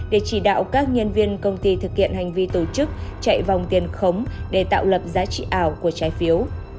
để chỉ đạo các nhân viên công ty thực hiện hành vi tổ chức chạy vòng tiền khống để tạo lập giá trị ảo của trái phiếu